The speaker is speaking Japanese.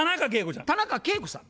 田中圭子ちゃん。